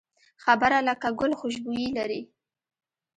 خبره لکه ګل خوشبويي لري